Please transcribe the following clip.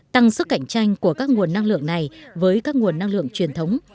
tăng sức cạnh tranh của các nguồn năng lượng này với các nguồn năng lượng truyền thống